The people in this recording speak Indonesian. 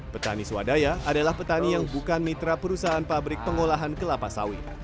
petani swadaya adalah petani yang bukan mitra perusahaan pabrik pengolahan kelapa sawit